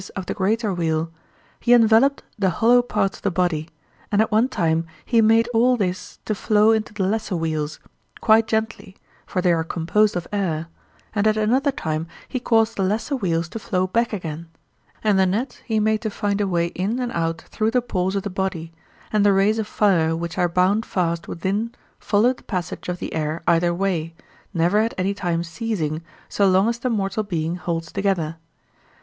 of the greater weel) he enveloped the hollow parts of the body, and at one time he made all this to flow into the lesser weels, quite gently, for they are composed of air, and at another time he caused the lesser weels to flow back again; and the net he made to find a way in and out through the pores of the body, and the rays of fire which are bound fast within followed the passage of the air either way, never at any time ceasing so long as the mortal being holds together.